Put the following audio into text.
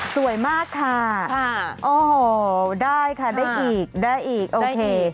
สวยมากค่ะโอ้โหได้ค่ะได้อีกได้อีกโอเค